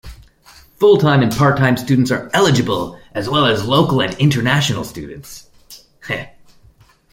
Full-time and part-time students are eligible, as well as local and internationals students.